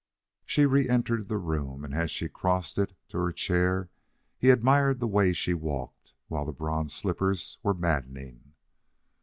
She reentered the room, and as she crossed it to her chair, he admired the way she walked, while the bronze slippers were maddening.